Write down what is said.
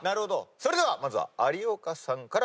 それではまずは有岡さんから。